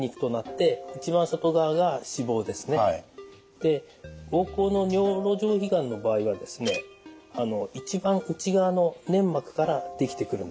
で膀胱の尿路上皮がんの場合はですね一番内側の粘膜から出来てくるんですね。